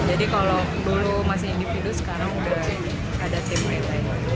jadi kalau dulu masih individu sekarang sudah ada tim relay